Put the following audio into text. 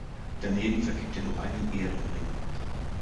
Daneben vergibt er noch einen Ehrenring.